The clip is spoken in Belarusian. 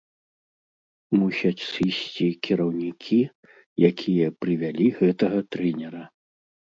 Мусяць сысці кіраўнікі, якія прывялі гэтага трэнера.